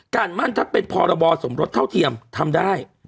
การมั่นถ้าเป็นพ่อระบอสมบัติเท่าเทียมทำได้